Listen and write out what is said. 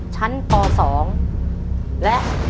จิตตะสังวโรครับ